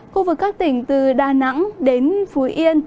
khu vực các tỉnh từ đà nẵng đến phú yên